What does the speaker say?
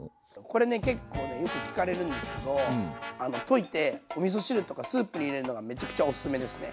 これね結構よく聞かれるんですけど溶いておみそ汁とかスープに入れるのがめちゃくちゃオススメですね。